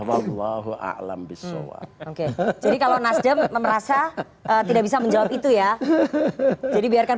walbhiswa oke jadi kalau nasdem merasa tidak bisa menjawab itu ya jadi biarkan